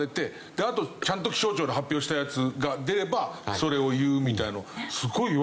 あとちゃんと気象庁の発表したやつが出ればそれを言うみたいのをすごい言われました。